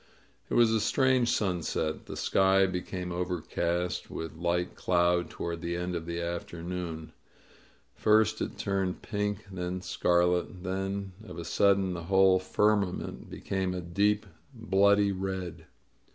It was a strange sunset. The sky became overcast with light cloud toward the end of the afternoon. First it turned pink, then scarlet, then of a sudden the whole firmament became a deep, bloody red.